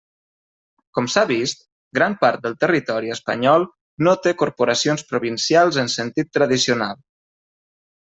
Com s'ha vist, gran part del territori espanyol no té corporacions provincials en sentit tradicional.